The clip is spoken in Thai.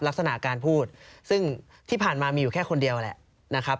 ลักษณะการพูดซึ่งที่ผ่านมามีอยู่แค่คนเดียวแหละนะครับ